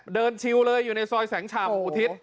เดินชิวเลยอยู่ในซอยแสงฉ่ำอุทิศ